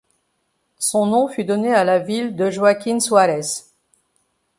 Son nom fut donné à la ville de Joaquín Suárez.